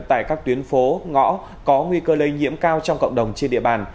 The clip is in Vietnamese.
tại các tuyến phố ngõ có nguy cơ lây nhiễm cao trong cộng đồng trên địa bàn